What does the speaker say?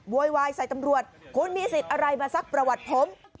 โวยวายใส่ตำรวจคุณมีสิทธิ์อะไรมาซักประวัติผม